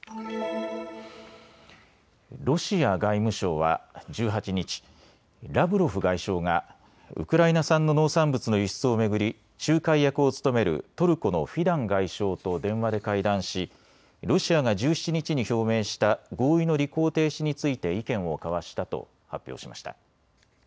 ロシア外務省は１８日、ラブロフ外相がウクライナ産の農産物の輸出を巡り仲介役を務めるトルコのフィダン外相と電話で会談しロシアが１７日に表明した合意の履行停止について意見を交わしたと発表しました。